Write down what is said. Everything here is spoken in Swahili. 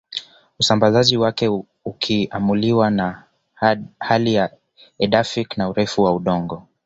Usambazaji wake ukiamuliwa na hali edaphic na urefu wa udongo